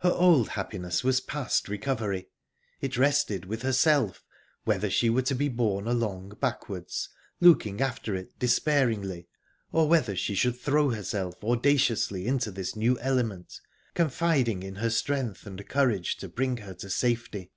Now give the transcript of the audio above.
Her old happiness was past recovery. It rested with herself whether she were to be borne along backwards, looking after it despairingly, or whether she should throw herself audaciously into this new element, confiding in her strength and courage to bring her to safety...